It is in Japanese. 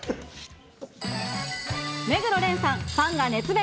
目黒蓮さん、ファンが熱弁！